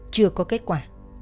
chưa có kết quả